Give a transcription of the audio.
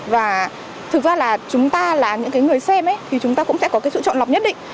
và thực ra là chúng ta là những cái người xem ấy thì chúng ta cũng sẽ có cái sự chọn lọc nhất định